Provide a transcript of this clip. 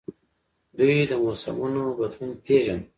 دوی د موسمونو بدلون پیژانده